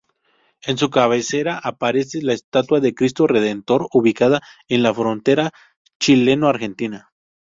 En su cabecera aparece la estatua del Cristo Redentor ubicada en la frontera chileno-argentina.